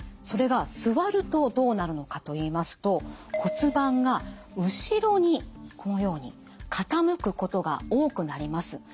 それが座るとどうなるのかといいますと骨盤が後ろにこのように傾くことが多くなります。